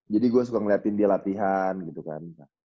jadi gua suka ngeliatin di latihan gitu kan